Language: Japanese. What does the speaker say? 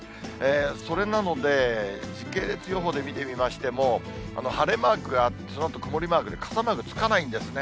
それなので、時系列予報で見てみましても、晴れマークがあって、そのあと曇りマークで傘マークつかないんですね。